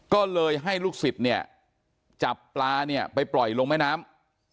ก็เลยให้ลูกศิษย์จับปลาไปปล่อยลงแม่น้ำ